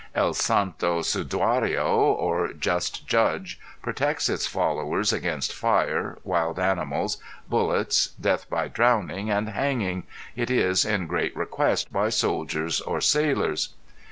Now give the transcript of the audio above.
El Santo Sudario or Just Judge protects its followers against fire, wild animals, bullets, death by drowning, and hanging, it is in great request by soldiers or sailors.